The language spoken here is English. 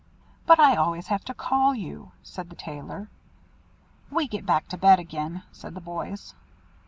"But I always have to call you," said the Tailor. "We get back to bed again," said the boys.